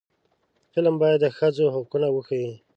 فلم باید د ښځو حقونه وښيي